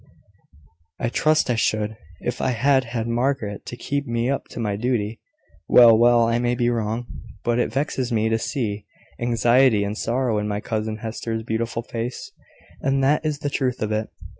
"I trust I should, if I had had Margaret to keep me up to my duty." "Well, well; I may be wrong; but it vexes me to see anxiety and sorrow in my cousin Hester's beautiful face; and that is the truth of it.